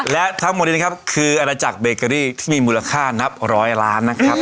และทั้งหมดนี้นะครับคืออาณาจักรเบเกอรี่ที่มีมูลค่านับร้อยล้านนะครับ